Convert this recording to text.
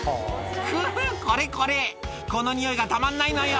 くー、これこれ、この匂いがたまんないのよ。